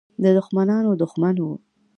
د دښمنانو دښمن وو.